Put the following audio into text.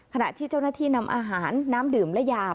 ขณะที่เจ้าหน้าที่นำอาหารน้ำดื่มและยา